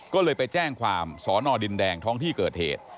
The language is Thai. ก็เลยไปแจ้งความสอนอดินแดงท้องที่เกิดเหตุ